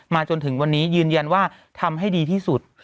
จนถึงวันนี้ยืนยันว่าทำให้ดีที่สุด